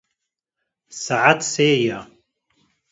Saet sê ye.